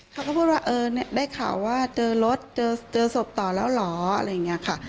เขาก็พูดว่าเออได้ข่าวว่าเจอรถเจอศพต่อแล้วเหรออะไรอย่างนี้ค่ะ